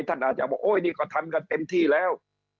ท่านอาจจะบอกโอ้ยนี่ก็ทำกันเต็มที่แล้ว